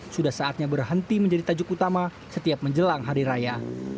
sudah saatnya berhenti menjadi tajuk utama setiap menjelang hari raya